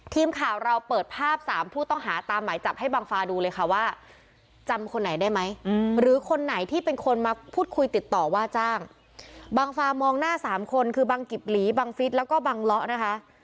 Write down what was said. ทีมข่าวเราเปิดภาพสามผู้ต้องหาตามหมายจับให้บังฟาดูเลยค่ะว่าจำคนไหนได้ไหมหรือคนไหนที่เป็นคนมาพูดคุยติดต่อว่าจ้างบังฟามองหน้าสามคนคือบังกิบหลีบังฟิศแล้วก็บังเลาะนะคะ